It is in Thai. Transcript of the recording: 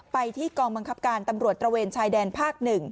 ไปที่กองบังคับการตำรวจตระเวนชายแดนภาค๑